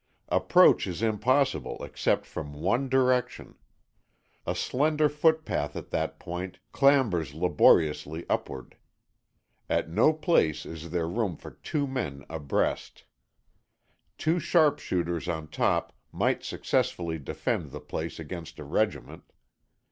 Approach is impossible except from one direction. A slender footpath at that point clambers laboriously upward. At no place is there room for two men abreast. Two sharpshooters on top might successfully defend the place against a regiment.